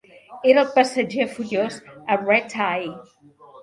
Era el passatger furiós a "Red Eye".